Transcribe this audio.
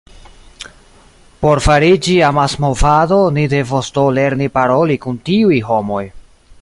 Por fariĝi amasmovado, ni devos do lerni paroli kun tiuj homoj.